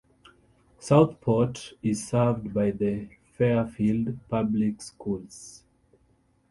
Southport is served by the Fairfield Public Schools.